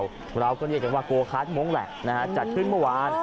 ชนเผ่าเราก็เรียกได้ว่าโกคาร์ดมงค์แหละนะฮะจัดขึ้นเมื่อวานอ๋อ